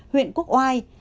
huyện quốc oai